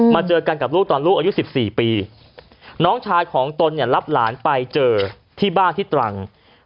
เจอกันกับลูกตอนลูกอายุ๑๔ปีน้องชายของตนเนี่ยรับหลานไปเจอที่บ้านที่ตรัง